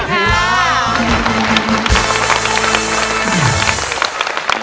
แก้มขอมาสู้เพื่อกล่องเสียงให้กับคุณพ่อใหม่นะครับ